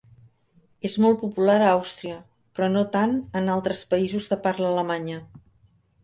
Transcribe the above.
És molt popular a Àustria, però no tant en altres països de parla alemanya.